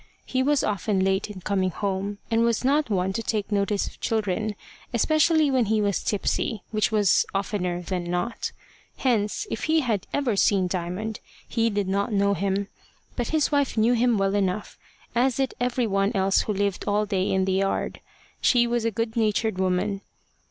He was often late in coming home, and was not one to take notice of children, especially when he was tipsy, which was oftener than not. Hence, if he had ever seen Diamond, he did not know him. But his wife knew him well enough, as did every one else who lived all day in the yard. She was a good natured woman.